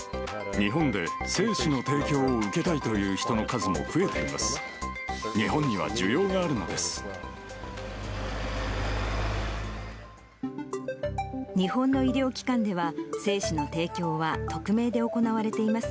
日本で精子の提供を受けたいという人の数も増えています。